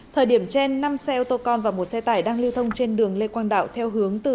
thời điểm trên năm xe ô tô con và một xe tải đang lưu thông trên đường lê quang đạo theo hướng từ